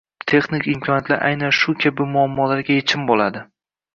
Texnik imkoniyatlar aynan shu kabi muammolarga yechim bo‘ladi.